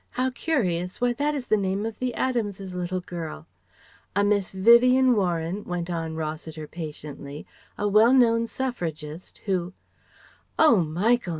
How curious, why that is the name of the Adams's little girl " "A Miss Vivien Warren," went on Rossiter patiently "a well known Suffragist who " "Oh Michael!